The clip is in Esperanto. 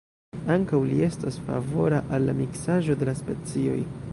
Ankaŭ li estas favora al la miksaĵo de la specioj.